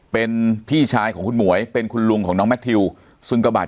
เป็นพี่ชายของคุณหมวยเป็นคุณลุงของน้องแมททิวซึ่งกระบะ